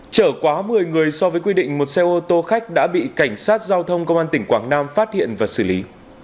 trở quá một mươi người so với quy định một xe ô tô khách đã bị cảnh sát giao thông công an tỉnh quảng nam phát hiện và xử lý